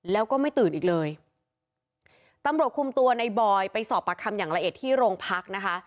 แล้วก็ไม่ตื่นอีกเลยตำรวจคุมตัวในบอยไปสอบประคำอย่างละเอียดที่โรงพักนะคะ